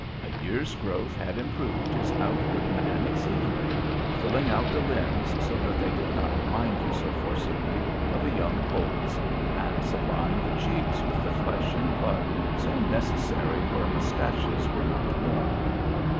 A year's growth had improved his outward man exceedingly, filling out the limbs so that they did not remind you so forcibly of a young colt's, and supplying the cheeks with the flesh and blood so necessary where mustaches were not worn.